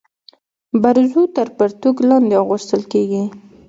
برزو تر پرتوګ لاندي اغوستل کيږي.